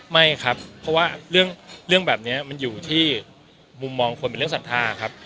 ไม่ครับเพราะว่าเรื่องแบบนี้มันอยู่ที่มุมมองคนเป็นเรื่องศรัทธาครับ